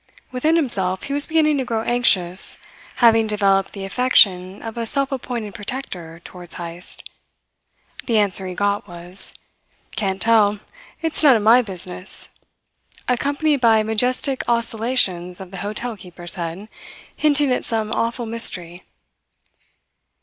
Within himself he was beginning to grow anxious, having developed the affection of a self appointed protector towards Heyst. The answer he got was: "Can't tell. It's none of my business," accompanied by majestic oscillations of the hotel keeper's head, hinting at some awful mystery.